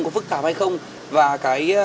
có phức tạp hay không và cái